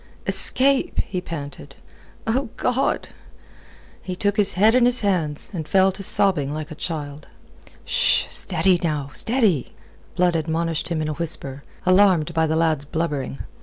"Escape?" he panted. "O God!" He took his head in his hands, and fell to sobbing like a child. "Sh! Steady now! Steady!" Blood admonished him in a whisper, alarmed by the lad's blubbering.